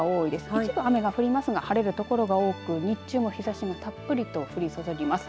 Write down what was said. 一部雨は降りますが晴れる所のほうが多く日中も日ざしがたっぷりと降り注ぎます。